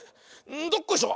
どっこいしょ。